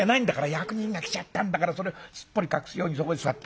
「役人が来ちゃったんだからそれをすっぽり隠すようにそこに座って」。